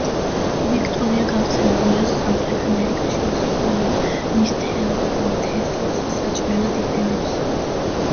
ვიქტორია გავრცელებულია სამხრეთ ამერიკაში, მოსახლეობა მის თესლს საჭმელად იყენებს.